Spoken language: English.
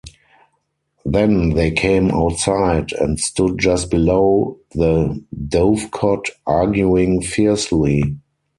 Then they came outside, and stood just below the dovecot arguing fiercely.